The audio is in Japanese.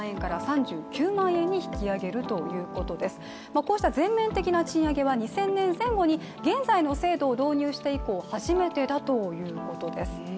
こうした全面的な賃上げは２０００年前後に現在の制度を導入して以降初めてだということです。